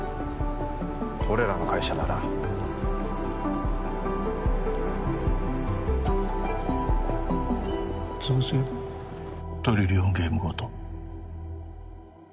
俺らの会社なら潰すよトリリオンゲームごと